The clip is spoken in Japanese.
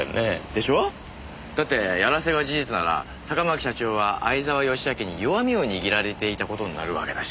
でしょ？だってヤラセが事実なら坂巻社長は相沢良明に弱みを握られていた事になるわけだし。